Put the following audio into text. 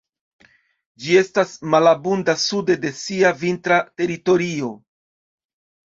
Ĝi estas malabunda sude de sia vintra teritorio.